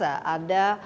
bagaimana menurut anda